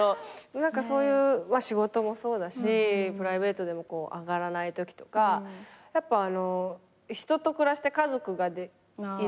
何かそういう仕事もそうだしプライベートでも上がらないときとか人と暮らして家族がいるから。